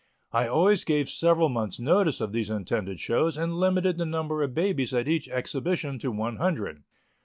I always gave several months' notice of these intended shows and limited the number of babies at each exhibition to one hundred.